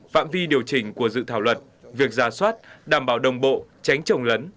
phạm vi điều chỉnh của dự thảo luật việc ra soát đảm bảo đồng bộ tránh trồng lấn